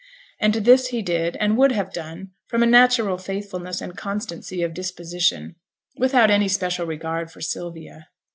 And this he did, and would have done, from a natural faithfulness and constancy of disposition, without any special regard for Sylvia.